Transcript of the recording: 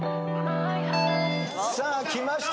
さあきました。